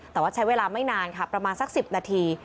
แต่ว่าใช้เวลาไม่นานค่ะประมาณสัก๑๐นาที